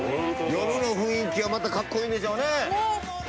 夜の雰囲気はまたかっこいいんでしょうね。